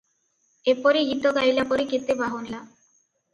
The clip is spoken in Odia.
ଏପରି ଗୀତ ଗାଇଲା ପରି କେତେ ବାହୁନିଲା ।